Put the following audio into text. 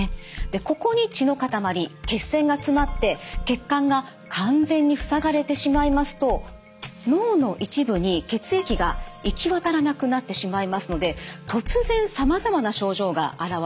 ここに血のかたまり血栓が詰まって血管が完全に塞がれてしまいますと脳の一部に血液が行き渡らなくなってしまいますので突然さまざまな症状が現れるんです。